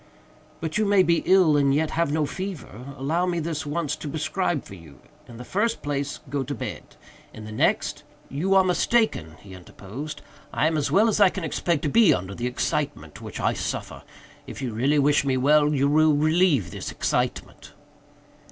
"But you may be ill and yet have no fever. Allow me this once to prescribe for you. In the first place, go to bed. In the next—" "You are mistaken," he interposed, "I am as well as I can expect to be under the excitement which I suffer. If you really wish me well, you will relieve this excitement."